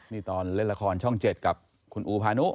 นี่ตอนเล่นละครช่อง๗กับคุณอูพานุ